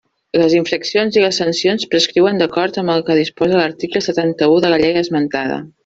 Les infraccions i les sancions prescriuen d'acord amb el que disposa l'article setanta-u de la Llei esmentada.